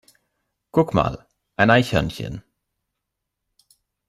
Guck mal, ein Eichhörnchen!